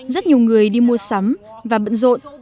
rất nhiều người đi mua sắm và bận rộn